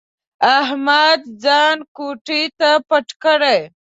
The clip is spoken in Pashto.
احمد ځان کوټې ته پټ کړي.